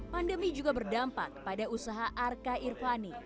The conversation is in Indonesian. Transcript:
pandemi juga berdampak pada usaha arka irvani